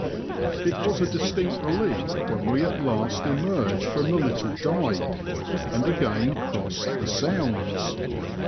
It was a distinct relief when we at last emerged from the little dyke, and again crossed the Sounds."